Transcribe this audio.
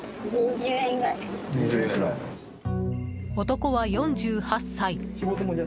男は４８歳。